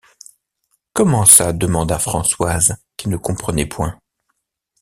Comment ça? demanda Françoise, qui ne comprenait point.